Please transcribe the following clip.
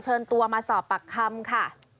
เชิญตัวมาสอบปากคำค่ะ